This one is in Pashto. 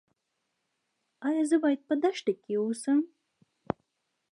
ایا زه باید په دښته کې اوسم؟